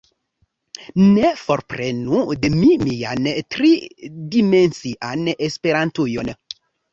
Ne forprenu de mi mian tri-dimensian Esperantujon!